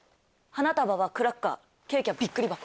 花束はクラッカーケーキはびっくり箱。